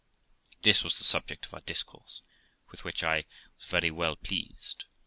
This was the subject of our discourse, with which I was very welt pleased.